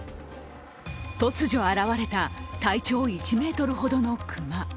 突如現われた体長１ｍほどの熊。